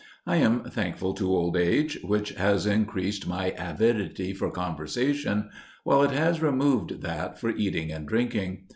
I am thankful to old age, which has increased my avidity for conversation, while it has removed that for eating and drinking.